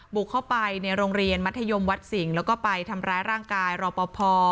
บุกเข้าไปในโรงเรียนมัธยมวัดสิงห์แล้วก็ไปทำร้ายร่างกายรอปภ